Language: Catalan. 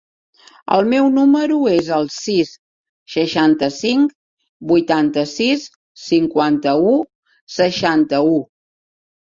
El meu número es el sis, seixanta-cinc, vuitanta-sis, cinquanta-u, seixanta-u.